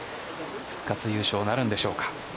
復活優勝なるんでしょうか。